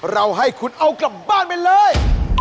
ให้คุณเอากลับบ้านไปเลย